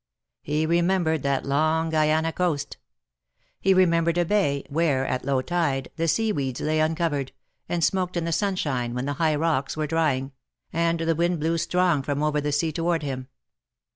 He remembered that long Guiana coast. He remembered a bay, where, at low tide, the sea weeds lay uncovered, and smoked in the sunshine, when the high rocks were drying, and the wind blew strong from over the sea toward him.